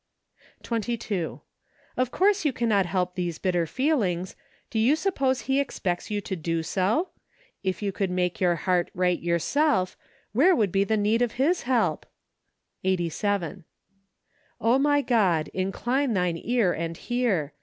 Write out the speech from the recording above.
22. Of course you cannot help these bitter feelings; do you suppose He expects you to do so ? If you could make your heart right yourself, where would be the need of His help ? Eighty Seven. " 0 my God, incline thine ear, and hear